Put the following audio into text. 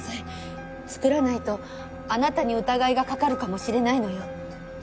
作らないとあなたに疑いがかかるかもしれないのよって。